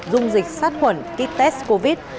dung dịch sát huẩn kit test covid